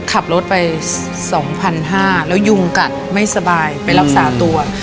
ขับรถไป๒๕๐๐แล้วยุงกัดไม่สบายไปรักษาตัว